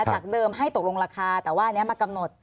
จากเดิมให้ตกลงราคาแต่ว่าอันนี้มากำหนด